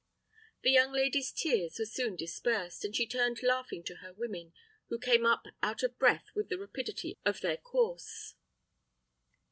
The young lady's tears were soon dispersed, and she turned laughing to her women, who came up out of breath with the rapidity of their course.